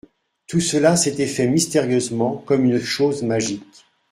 Tout cela s'était fait mystérieusement comme une chose magique.